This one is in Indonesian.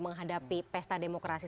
menghadapi pesta demokrasi